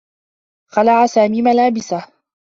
خلع سامي ملابسه.